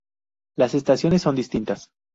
Las estaciones son distintas.